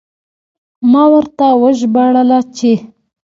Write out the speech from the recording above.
ما ورته ژباړله چې: 'Abbastanza bene' په دې مانا چې ډېره ښه ده.